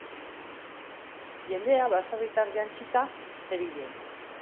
Jendea baserritar jantzita zebilen.